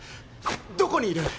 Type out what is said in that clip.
どこにいる？